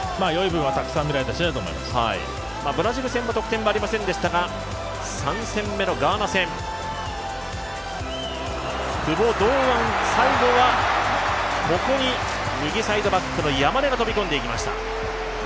ブラジル戦も得点はありませんでしたが、３戦目のガーナ戦久保、堂安、最後はここに右サイドバックの山根が飛び込んでいきました。